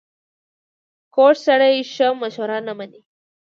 کوږ سړی ښه مشوره نه مني